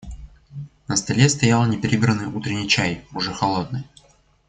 На столе стоял неприбранный утренний чай, уже холодный.